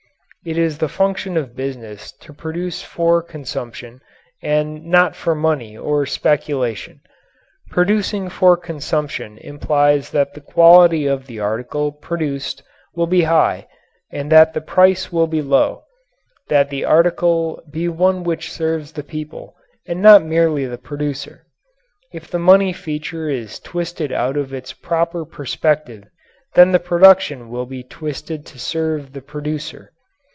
It is the function of business to produce for consumption and not for money or speculation. Producing for consumption implies that the quality of the article produced will be high and that the price will be low that the article be one which serves the people and not merely the producer. If the money feature is twisted out of its proper perspective, then the production will be twisted to serve the producer.